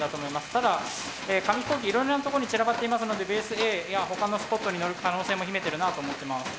ただ紙飛行機いろいろなところに散らばっていますのでベースＡやほかのスポットにのる可能性も秘めてるなと思ってます。